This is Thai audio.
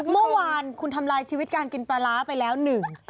เมื่อวานคุณทำลายชีวิตการกินปลาร้าไปแล้วหนึ่ง